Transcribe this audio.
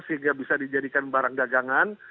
sehingga bisa dijadikan barang dagangan